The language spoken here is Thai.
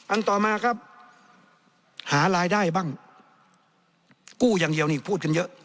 ต่อมาครับหารายได้บ้างกู้อย่างเดียวนี่พูดกันเยอะ